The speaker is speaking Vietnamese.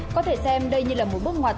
có thể xem đây như là một bước ngoặt